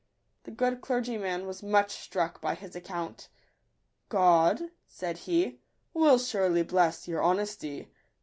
The good clergyman was much struck by his account. " God," said he, " will surely bless your honesty.